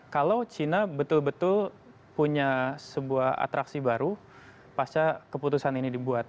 kalau china betul betul punya sebuah atraksi baru pasca keputusan ini dibuat